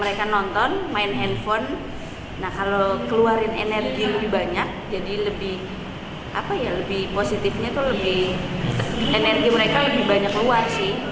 sebenarnya anak anak kan butuh energi keluar